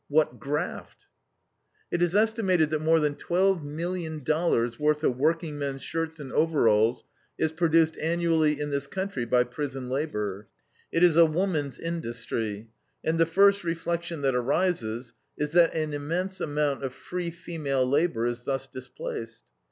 What graft! It is estimated that more than twelve million dollars' worth of workingmen's shirts and overalls is produced annually in this country by prison labor. It is a woman's industry, and the first reflection that arises is that an immense amount of free female labor is thus displaced.